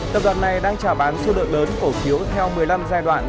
tập đoàn này đang trả bán số lượng lớn cổ phiếu theo một mươi năm giai đoạn